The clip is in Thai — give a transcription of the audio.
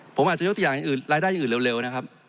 ผมอาจจะยกตัวอย่างอื่นรายได้อย่างอื่นเร็วนะครับ